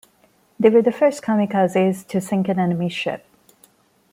They were the first "kamikazes" to sink an enemy ship.